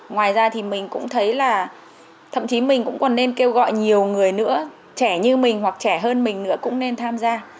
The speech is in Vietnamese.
ngoài ra thì mình cũng thấy là thậm chí mình cũng còn nên kêu gọi nhiều người nữa trẻ như mình hoặc trẻ hơn mình nữa cũng nên tham gia